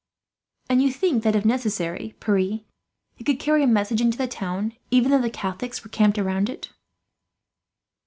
"And you think that if necessary, Pierre, you could carry a message into the town, even though the Catholics were camped round it."